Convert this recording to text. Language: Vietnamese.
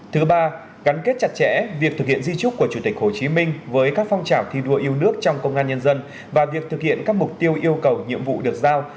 thứ ba gắn kết chặt chẽ việc thực hiện di trúc của chủ tịch hồ chí minh với các phong trào thi đua yêu nước trong công an nhân dân và việc thực hiện các mục tiêu yêu cầu nhiệm vụ được giao